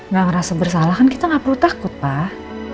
gak ngerasa bersalah kan kita nggak perlu takut pak